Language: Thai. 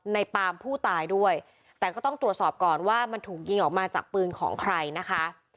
ปามผู้ตายด้วยแต่ก็ต้องตรวจสอบก่อนว่ามันถูกยิงออกมาจากปืนของใครนะคะ